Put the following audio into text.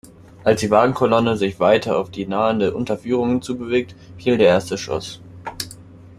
Als die Wagenkolonne sich weiter auf die nahende Unterführung zubewegte, fiel der erste Schuss.